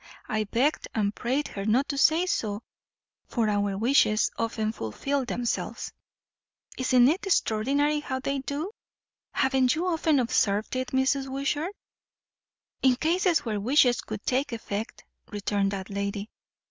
I begged and prayed her not to say so, for our wishes often fulfil themselves. Isn't it extraordinary how they do? Haven't you often observed it, Mrs. Wishart?" "In cases where wishes could take effect," returned that lady.